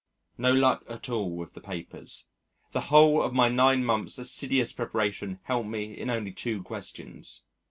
No luck at all with the papers. The whole of my nine months' assiduous preparation helped me in only two questions.